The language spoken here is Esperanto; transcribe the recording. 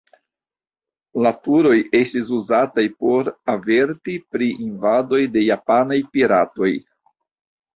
La turoj estis uzataj por averti pri invadoj de japanaj piratoj.